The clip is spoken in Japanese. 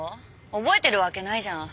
覚えてるわけないじゃん。